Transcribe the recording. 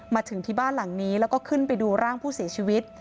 มาถึงที่บ้านหลังนี้แล้วก็ขึ้นไปดูร่างผู้เสียชีวิต